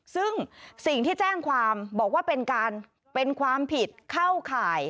ซึ่งสิ่งที่แจ้งความบอกว่าเป็นการเป็นความผิดเข้าข่าย